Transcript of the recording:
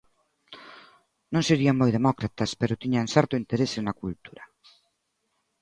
Non serían moi demócratas, pero tiñan certo interese na cultura.